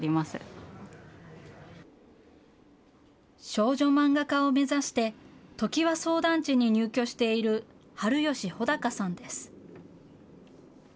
少女漫画家を目指して、トキワソウ団地に入居している、春吉ほだかさんです。